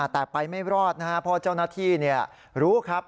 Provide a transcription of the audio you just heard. แต่ไปไม่รอดเพราะเจ้านัทธีรู้ครับ